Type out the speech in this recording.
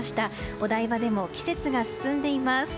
お台場でも季節が進んでいます。